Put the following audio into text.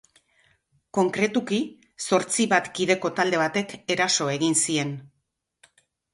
Konkretuki, zortzi bat kideko talde batek eraso egin zien.